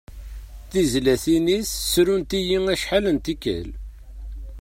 Tizlatin-is srunt-iyi acḥal n tikal.